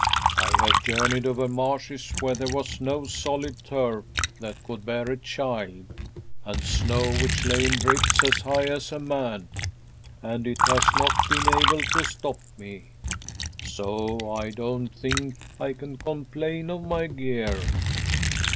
I have journeyed over marshes where there was no solid turf, that could bear a child, and snow which lay in drifts as high as a man, and it has not been able to stop me — so I don't think I can complain of my gear."